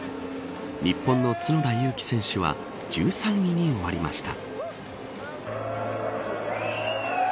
日本の角田裕毅選手は１３位に終わりました。